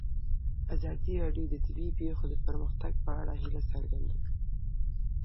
ازادي راډیو د طبیعي پېښې د پرمختګ په اړه هیله څرګنده کړې.